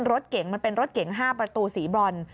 รถเก๋งมันเป็นรถเก๋ง๕ประตูสีบรอน